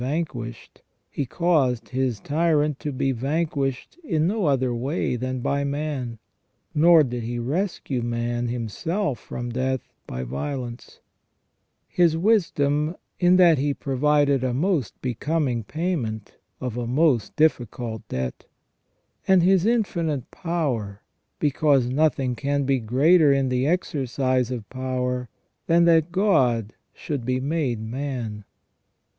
315 vanquished, He caused His tyrant to be vanquished in no other way than by man; nor did He rescue man Himself from death by violence ; His wisdom, in that He provided a most becoming pay ment of a most difficult debt ; and His infinite power, because nothing can be greater in the exercise of power than that God should be made man.